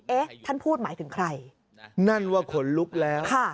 เอ๊ะท่านพูดหมายถึงใครนั่นว่าขนลุกแล้ว